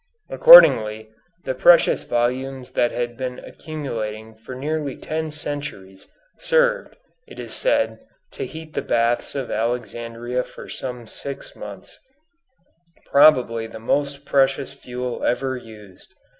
Accordingly, the precious volumes that had been accumulating for nearly ten centuries, served, it is said, to heat the baths of Alexandria for some six months probably the most precious fuel ever used.